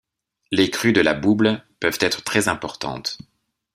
Les crues de la Bouble peuvent être très importantes.